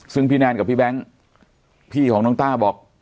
ซึ่งพี่แนนกับพี่แบงค์พี่ของน้องต้าบอก